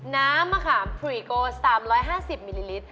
น้ำมะขามพุริโก๓๕๐มิลลิลิตร